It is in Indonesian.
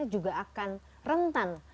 apa ini termasuk orang orang yang pada akhirnya